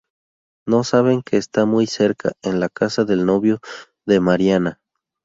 No saben que está muy cerca, en la casa del novio de Mariana.